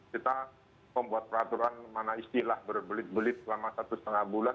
kita membuat peraturan mana istilah berbelit belit selama satu setengah bulan